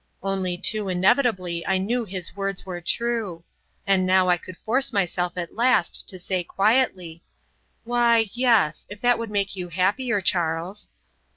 Only too inevitably I knew his words were true; and now I could force myself at last to say, quietly: "Why yes if that would make you happier, Charles."